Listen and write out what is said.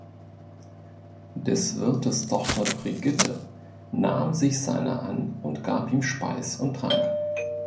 Des Wirtes Tochter Brigitte nahm sich seiner an und gab ihm Speis und Trank.